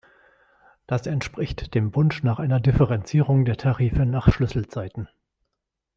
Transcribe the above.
Das entspricht dem Wunsch nach einer Differenzierung der Tarife nach Schlüsselzeiten.